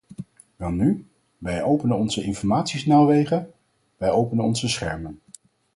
Welnu, wij openen onze informatiesnelwegen, wij openen onze schermen.